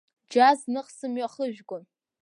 Џьа зных сымҩахыжәгон.